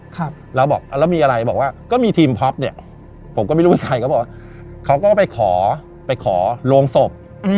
ครับแล้วบอกแล้วมีอะไรบอกว่าก็มีทีมพ็อปเนี่ยผมก็ไม่รู้เป็นใครเขาบอกว่าเขาก็ไปขอไปขอโรงศพอืม